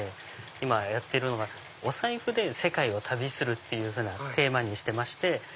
今やってるのが「お財布で世界を旅する」っていうテーマにしてまして。